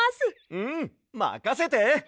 うんまかせて！